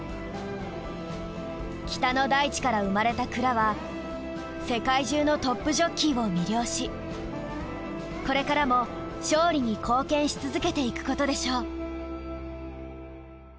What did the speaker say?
北の大地から生まれた鞍は世界中のトップジョッキーを魅了しこれからも勝利に貢献し続けていくことでしょう。